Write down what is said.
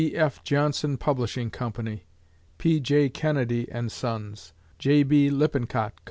B. F. Johnson Publishing Co.; P. J. Kenedy & Sons; J. B. Lippincott Co.